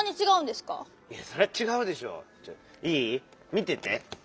見てて。